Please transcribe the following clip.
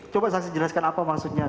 coba saksi jelaskan apa maksudnya